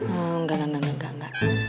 enggak enggak enggak